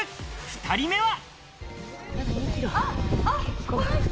２人目は。